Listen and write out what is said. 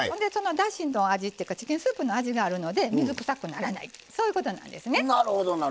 だしの味っていうかチキンスープの味があるので水くさくならないということなんですね。